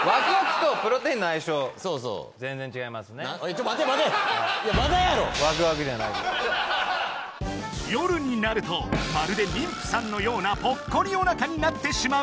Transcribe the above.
そうそう夜になるとまるで妊婦さんのようなぽっこりおなかになってしまう